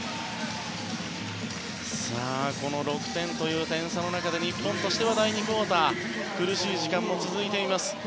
この６点という点差の中日本としては第２クオーター苦しい時間が続いています。